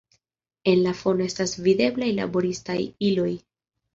En la fono estas videblaj laboristaj iloj.